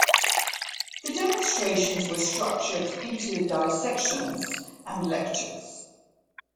The demonstrations were structured into dissections and lectures.